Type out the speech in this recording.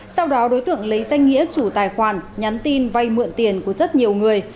sau đó đối tượng lấy danh nghĩa chủ tài khoản nhắn tin vay mượn tiền của rất nhiều người